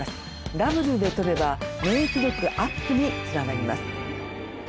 ダブルで取れば免疫力アップにつながります。